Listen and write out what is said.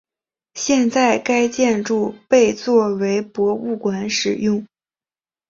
现在该建筑被作为博物馆使用。